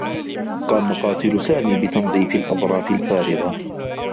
قام قاتل سامي بتنظيف الأظراف الفارغة.